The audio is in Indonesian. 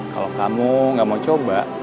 kalau kamu gak mau coba